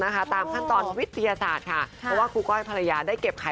คิดว่า